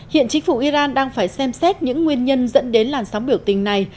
hiện chính phủ iran đang phải xem xét những nguyên nhân dẫn đến làn sóng biểu tình này